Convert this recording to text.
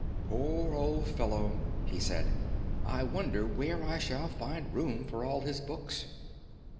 "Poor old fellow!" he said. "I wonder where I shall find room for all his books."